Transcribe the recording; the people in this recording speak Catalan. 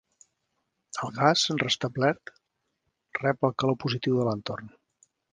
El gas, restablert, rep el calor positiu de l'entorn.